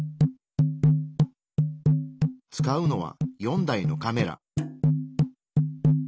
使うのは４台のカメラ。